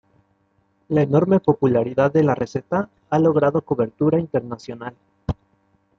La enorme popularidad de la receta ha logrado cobertura internacional.